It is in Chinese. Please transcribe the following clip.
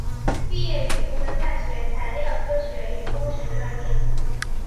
毕业于湖南大学材料科学与工程专业。